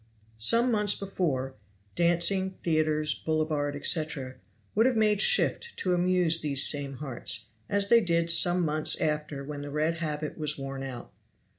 Some months before, dancing, theaters, boulevard, etc., would have made shift to amuse these same hearts, as they did some months after when the red habit was worn out.